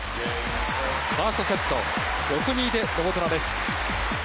ファーストセット６−２でノボトナです。